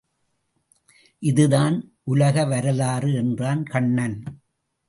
இதுதான் உலக வரலாறு என்றான் கண்ணன்.